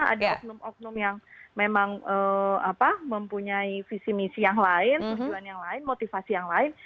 ada oknum oknum yang memang mempunyai visi misi yang lain tujuan yang lain motivasi yang lain